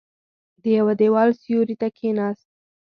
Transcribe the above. د يوه دېوال سيوري ته کېناست.